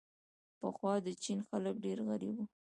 پخوا د چین خلک ډېر غریب وو.